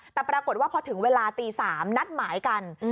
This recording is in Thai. แต่ปรากฏว่าพอถึงเวลาตี๓นัดหมายกัน